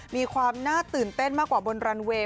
มีความน่าตื่นเต้นมากกว่าบนรันเวย์